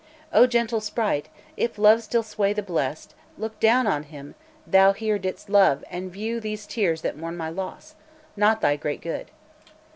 O gentle sprite! if love still sway the blest, Look down on him thou here didst love, and view These tears that mourn my loss, not thy great good.